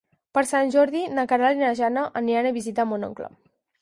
Per Sant Jordi na Queralt i na Jana aniran a visitar mon oncle.